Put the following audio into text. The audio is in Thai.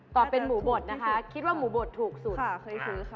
เป็นหมูบดนะคะคิดว่าหมูบดถูกสุดเคยซื้อค่ะ